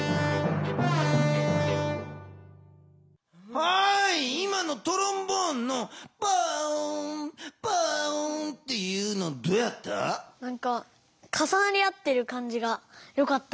はい今のトロンボーンの「パオーンパオーン」っていうのどうやった？